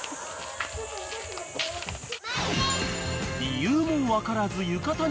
［理由も分からず］